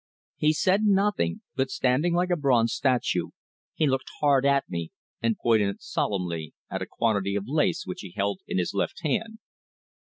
He said nothing, but, standing like a bronze statue, he looked hard at me and pointed solemnly at a quantity of lace which he held in his left hand.